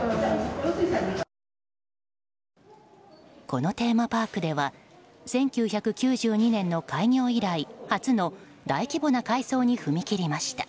このテーマパークでは１９９２年の開業以来初の大規模な改装に踏み切りました。